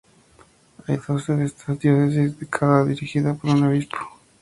Hay doce de estas diócesis, cada una dirigida por un obispo.